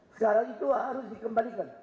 sekarang itu harus dikembalikan